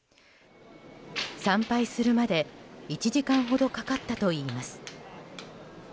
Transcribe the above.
参拝するまで１時間ほどかかったといいます。